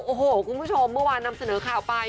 โอ้โหคุณผู้ชมเมื่อวานนำเสนอข่าวไป